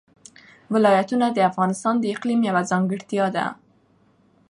ولایتونه د افغانستان د اقلیم یوه ځانګړتیا ده.